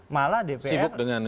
malah dpr sibuk dengan isi